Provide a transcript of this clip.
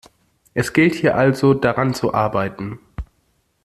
Es gilt hier also, daran zu arbeiten.